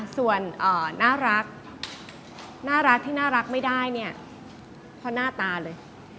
ส่วนน่ารักที่น่ารักไม่ได้เนี่ยเพราะหน้าตาเลย